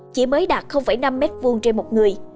chỉ mới đạt năm m hai trên một người